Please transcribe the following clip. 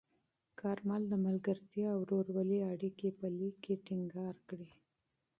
کارمل د دوستۍ او ورورولۍ اړیکې په لیک کې ټینګار کړې.